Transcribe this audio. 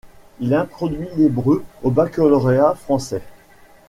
Il introduit l'hébreu au baccalauréat français.